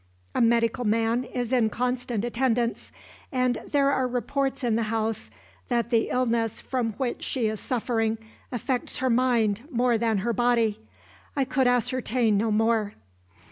A medical man is in constant attendance, and there are reports in the house that the illness from which she is suffering affects her mind more than her body. I could ascertain no more."